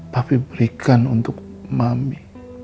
tapi berikan untuk mami